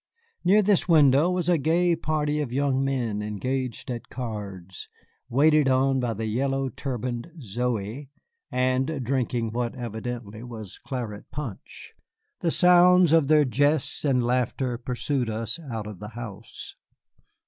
Near this window was a gay party of young men engaged at cards, waited on by the yellow turbaned Zoey, and drinking what evidently was claret punch. The sounds of their jests and laughter pursued us out of the house.